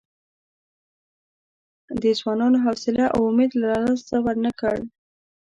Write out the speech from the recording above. دې ځوانانو حوصله او امید له لاسه ورنه کړ.